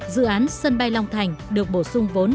dự án sân bay long thành được bổ sung vốn